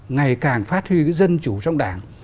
ngày càng phát huy dân chủ trong đảng